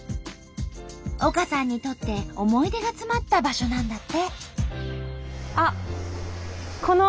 丘さんにとって思い出が詰まった場所なんだって。